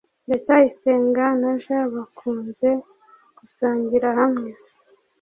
ndacyayisenga na j bakunze gusangira hamwe